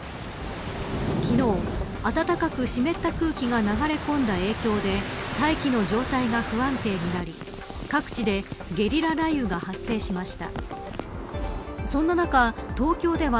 昨日、暖かく湿った空気が流れ込んだ影響で大気の状態が不安定になり各地でゲリラ雷雨が発生しました。